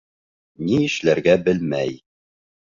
Ни эшләргә белмәй: